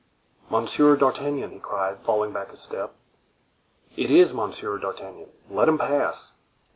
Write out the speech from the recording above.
"Monsieur d'Artagnan!" he cried, falling back a step; "it is Monsieur d'Artagnan! let him pass."